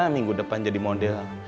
minggu depan jadi model